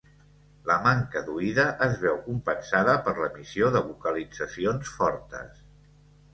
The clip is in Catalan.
La manca d'oïda es veu compensada per l'emissió de vocalitzacions fortes.